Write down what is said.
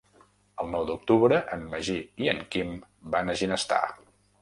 El nou d'octubre en Magí i en Quim van a Ginestar.